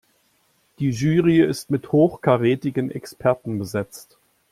Die Jury ist mit hochkarätigen Experten besetzt.